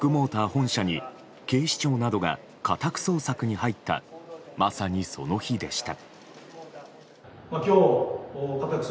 本社に警視庁などが家宅捜索に入ったまさに、その日でした。